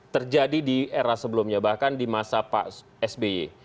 terjadi di era sebelumnya bahkan di masa pak sby